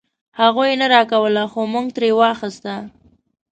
هغوی نه راکوله خو مونږ ترې واخيسته.